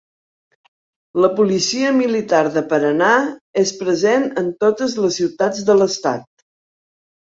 La Policia Militar de Paraná és present en totes les ciutats de l'Estat.